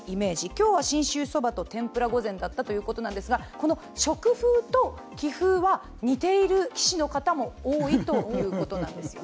今日は信州そばと天ぷら御膳だったということですがこの食風と棋風は似ている棋士の方も多いということです。